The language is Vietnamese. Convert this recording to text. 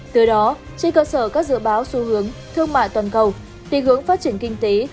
từ đó trên cơ sở các dự báo xu hướng thương mại toàn cầu ti hướng phát triển kinh tế